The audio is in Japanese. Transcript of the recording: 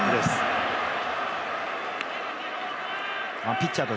ピッチャーは。